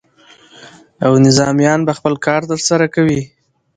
او نظامیان به خپل کار ترسره کوي.